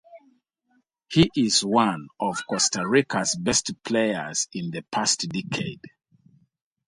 He is one of Costa Rica's best players in the past decade.